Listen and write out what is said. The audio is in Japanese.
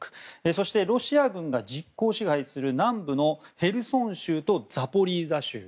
そして、ロシア軍が実効支配する南部のへルソン州とザポリージャ州。